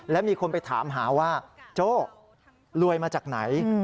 และมีคนไปถามหาว่าโจ้รวยมาจากไหน